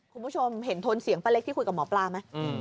คุณผู้ชมเห็นทนเสียงป้าเล็กที่คุยกับหมอปลาไหม